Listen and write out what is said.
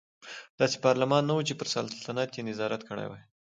داسې پارلمان نه و چې پر سلطنت یې نظارت کړی وای.